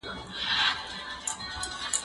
زه به اوږده موده د ښوونځی لپاره تياری کړی وم!.